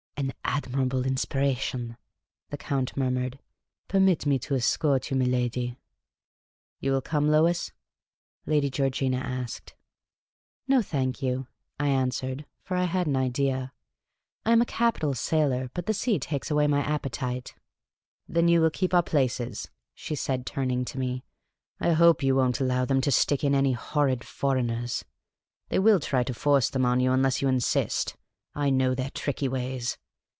" An admirable inspiration," the Count murmured. *' Permit me to escort you, miladi." " You will come, Lois ?" Lady Georgina asked. No, thank you," I answered, for I had an idea. " I am a capital sailor, but the sea takes away my appetite." " Then you '11 keep our places," she said, turning to me. " I hope you won't allow them to stick in any horrid for eigners ! They will try to force them on you unless you insist. / know their tricky ways.